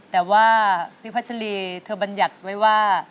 แต่ว่าพี่พัชรีเธอบรรยัติไว้ว่า